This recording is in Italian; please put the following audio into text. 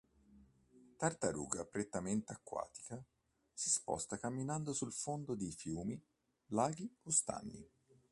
Tartaruga prettamente acquatica, si sposta camminando sul fondo di fiumi, laghi o stagni.